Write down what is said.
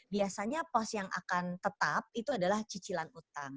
biasanya pos yang akan tetap itu adalah cicilan utang